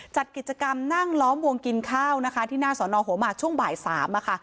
จัดกิจกรรมนั่งล้อมวงกินข้าวนะคะที่หน้าสอนอหัวหมากช่วงบ่าย๓ค่ะ